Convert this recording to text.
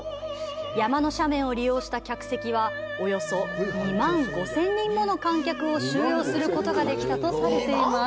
山の斜面を利用した客席は、およそ２万５０００人もの観客を収容することができたとされています。